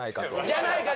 「じゃないか